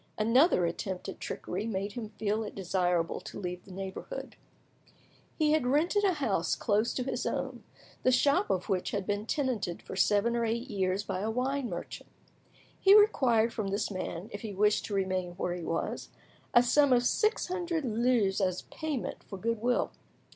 Another attempt at trickery made him feel it desirable to leave the neighbourhood. He had rented a house close to his own, the shop of which had been tenanted for seven or eight years by a wine merchant. He required from this man, if he wished to remain where he was, a sum of six hundred livres as a payment for goodwill.